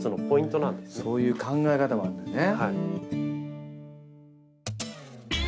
そういう考え方もあるのね。